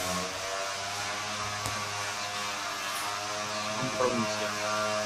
Badajoz: Diputación Provincial.